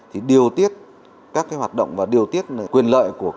thì điều tiết các cái hoạt động và điều tiết quyền lợi của